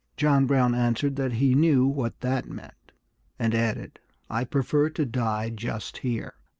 John Brown answered that he knew what that meant, and added, "I prefer to die just here."